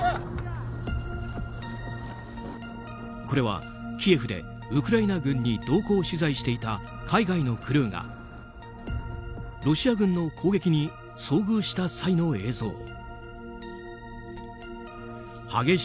これは、キエフでウクライナ軍に同行取材していた海外のクルーがロシア軍の攻撃に遭遇した際の映像。